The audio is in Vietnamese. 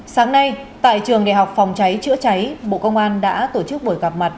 sáng nay tại trường đại học phòng cháy chữa cháy bộ công an đã tổ chức buổi gặp mặt